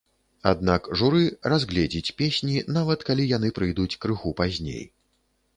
Аднак журы разгледзіць песні нават калі яны прыйдуць крыху пазней.